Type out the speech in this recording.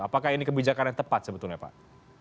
apakah ini kebijakan yang tepat sebetulnya pak